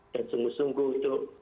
dan sungguh sungguh itu